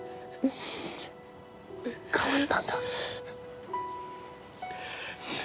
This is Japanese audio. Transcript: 変わったんだ。